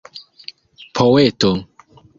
poeto